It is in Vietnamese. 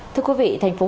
thưa quý vị tp hcm